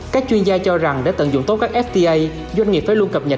các chuyên gia cho rằng để tận dụng tốt các fta doanh nghiệp phải luôn cập nhật